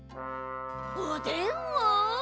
おでんを。